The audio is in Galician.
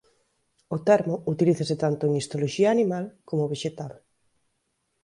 O termo utilízase tanto en histoloxía animal coma vexetal.